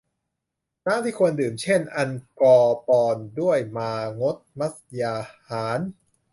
น้ำที่ควรดื่ม เช่น อันกอปรด้วยมางษมัศยาหาร